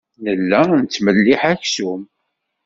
Nella nettmelliḥ aksum.